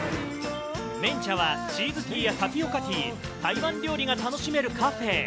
綿茶はチーズティーやタピオカティー、台湾料理が楽しめるカフェ。